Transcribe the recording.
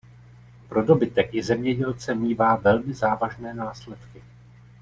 Pro dobytek i zemědělce mívá velmi závažné následky.